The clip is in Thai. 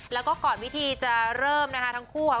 แล้วก็ก่อนวิธีจะเริ่มนะคะทั้งคู่อ่ะ